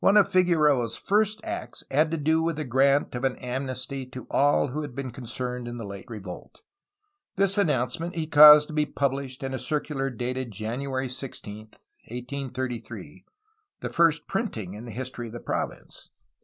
One of Figueroa^s first acts had to do with the grant of an amnesty to all who had been concerned in the late revolt. This announcement he caused to be pubhshed in a circular dated January 16, 1833, — the first printing in the history of the province.